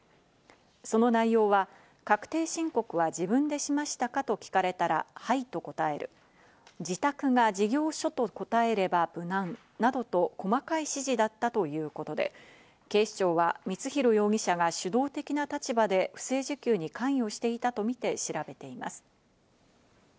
その内容は、確定申告は自分でしましたかと聞かれたらはいと答える、自宅が事業所と答えれば無難などと細かい指示だったということで警視庁は光弘容疑者が主導的な立場で不正受給に関与していたとみて調べています。